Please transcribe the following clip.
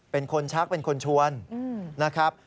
เป็นคนชักเป็นคนชวนนะครับ